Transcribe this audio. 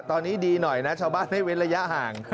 ตอนนี้ดีหน่อยนะชาวบ้านให้เว้นระยะห่าง